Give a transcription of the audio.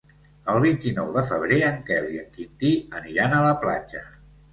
El vint-i-nou de febrer en Quel i en Quintí aniran a la platja.